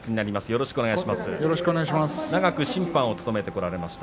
よろしくお願いします。